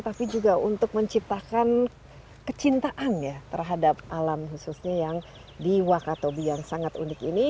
tapi juga untuk menciptakan kecintaan ya terhadap alam khususnya yang di wakatobi yang sangat unik ini